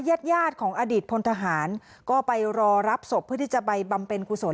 ญาติญาติของอดีตพลทหารก็ไปรอรับศพเพื่อที่จะไปบำเพ็ญกุศล